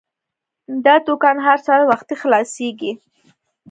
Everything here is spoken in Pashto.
دا دوکان هر سهار وختي خلاصیږي.